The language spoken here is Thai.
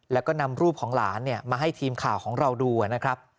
แล้วก็นำรูปของหลานมาให้ทีมข่าวของเราดูนะครับ